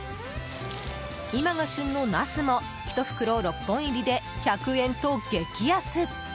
今が旬のナスも１袋６本入りで１００円と激安。